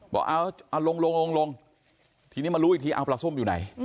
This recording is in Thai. บอกเอาลงลงทีนี้มารู้อีกทีเอาปลาส้มอยู่ไหน